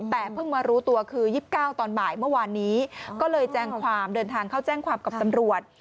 แต่เพิ่งมารู้ตัวคือ๒๙ตอนบ่ายเมื่อวานนี้ก็เลยแจ้งความเดินทางเข้าแจ้งความกับตำรวจ